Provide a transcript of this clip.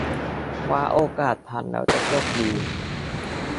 คว้าโอกาสทันแล้วจะโชคดี